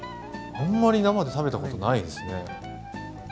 あんまり生で食べたことないですね。